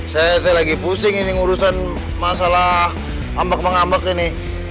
saya ini lagi pusing ini ngurusan masalah ngambek mengambek ini